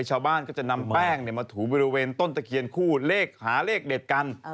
ชาวบ้านก็จะนำแป้งมาถูบริเวณต้นตะเคียนคู่เลขหาเลขเด็ดกัน